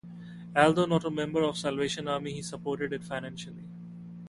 Although not a member of the Salvation Army, he supported it financially.